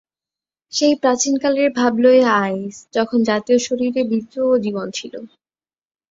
সেই প্রাচীনকালের ভাব লইয়া আইস, যখন জাতীয় শরীরে বীর্য ও জীবন ছিল।